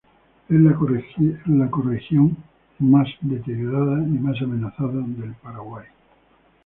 Es la ecorregión más deteriorada y más amenazada del Paraguay.